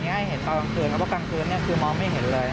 ไม่ง่ายให้เห็นตอนกลางคืนเพราะว่ากลางคืนนี้คือมองไม่เห็นเลย